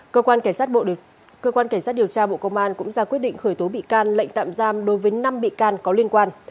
cơ quan cảnh sát điều tra bộ công an cũng ra quyết định khởi tố bị can lệnh tạm giam đối với năm bị can có liên quan